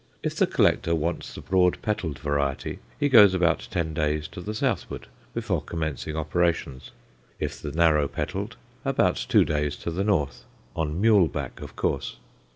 If the collector wants the broad petalled variety, he goes about ten days to the southward before commencing operations; if the narrow petalled, about two days to the north on mule back of course.